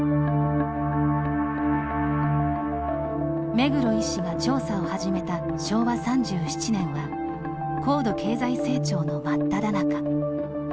目黒医師が調査を始めた昭和３７年は高度経済成長の真っただ中。